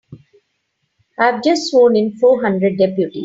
I've just sworn in four hundred deputies.